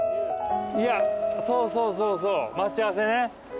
いやそうそうそうそう。待ち合わせね。